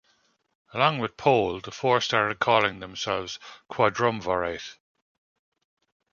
Along with Pohl, the four started calling themselves the "Quadrumvirate".